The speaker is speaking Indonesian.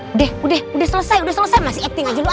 udah udah selesai udah selesai masih acting aja dulu